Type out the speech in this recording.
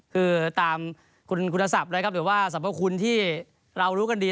คือตามคุณกุณฑาหรือว่าสำคับคุณที่เรารู้กันดี